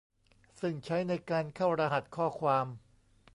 ซึ่งใช้ในการเข้ารหัสข้อความ